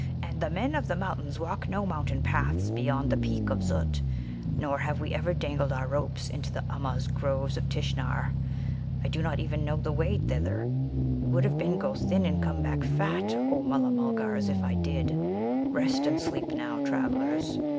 "And the Men of the Mountains walk no mountain paths beyond the peak of Zut; nor have we ever dangled our ropes into the Ummuz groves of Tishnar. I do not even know the way thither. It would have been go thin and come back fat, O Mulla mulgars, if I did. Rest and sleep now, travellers.